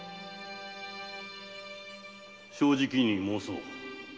正直に申そう。